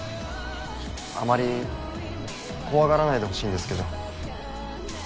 あまり怖がらないでほしいんですけど。